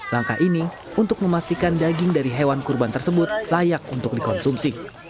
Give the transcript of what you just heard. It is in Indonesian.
langkah ini untuk memastikan daging dari hewan kurban tersebut layak untuk dikonsumsi